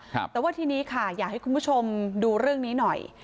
แต่ว่าทีนี้ค่ะอยากให้คุณผู้ชมดูเรื่องนี้หน่อย